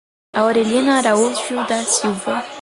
Aurelina Araújo da Silva